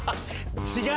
違う。